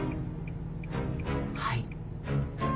はい。